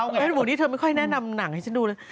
พี่หนุ่มบอกว่านี่เธอไม่ค่อยแนะนำหนังให้ฉันดูเลย